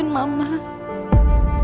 tante sudah menyesal sama putri